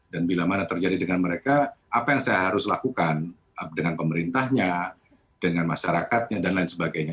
dan bila mana terjadi dengan mereka apa yang saya harus lakukan dengan pemerintahnya dengan masyarakatnya dan lain sebagainya